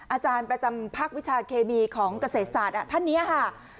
อาจารย์ประจำภาควิชาเคมีของเกษตรศาสตร์ท่านนี้ค่ะ